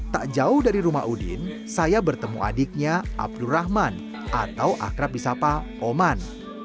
tak jauh dari rumah udin saya bertemu adiknya abdurrahman atau akrab di sapa oman